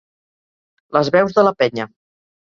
Les veus de "la penya"